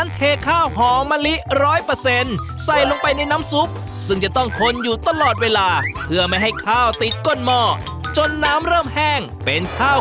เทข้าวหอมมะลิ๑๐๐ใส่ลงไปในน้ำซุปซึ่งจะต้องคนอยู่ตลอดเวลาเพื่อไม่ให้ข้าวติดก้นหม้อจนน้ำเริ่มแห้งเป็นข้าว